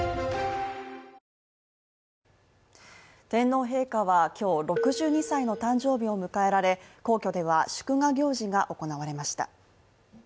天皇陛下は今日、６２歳の誕生日を迎えられ皇居では、祝賀行事が行われました。